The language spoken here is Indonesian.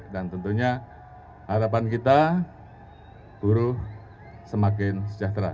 dan tentunya harapan kita buruh semakin sejahtera